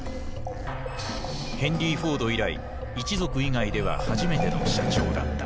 ヘンリー・フォード以来一族以外では初めての社長だった。